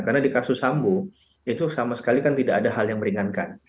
karena di kasus sambo itu sama sekali tidak ada hal yang meringankan